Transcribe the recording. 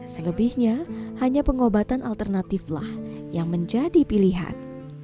selebihnya hanya pengobatan alternatiflah yang menjadi pilihan